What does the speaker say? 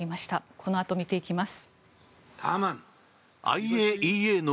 このあと見ていきます。